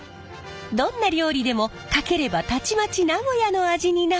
どんな料理でもかければたちまち名古屋の味になる！